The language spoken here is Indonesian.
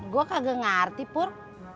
gua kagak ngerti pur